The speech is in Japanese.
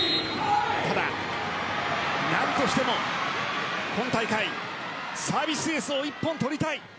ただ、何としても今大会、サービスエースを１本取りたい。